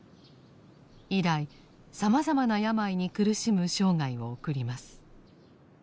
以来さまざまな病に苦しむ生涯を送ります。